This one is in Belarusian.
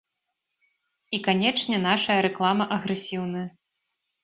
І, канечне, нашая рэклама агрэсіўная.